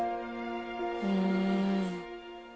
うん。